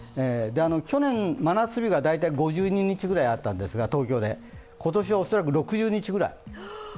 去年、真夏日が東京で大体５２日くらいあったんですが今年は恐らく６０日ぐらい。